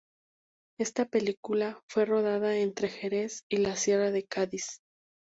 Esta película fue rodada entre Jerez y la Sierra de Cádiz.